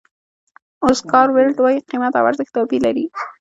اوسکار ویلډ وایي قیمت او ارزښت توپیر لري.